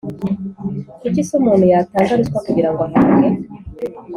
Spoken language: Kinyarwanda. kuki se umuntu yatanga ruswa kugira ngo ahabwe